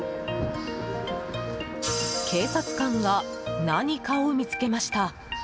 警察官が何かを見つけました。